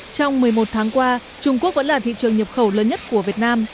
trong một mươi một tháng qua trung quốc vẫn là thị trường nhập khẩu lớn nhất của việt nam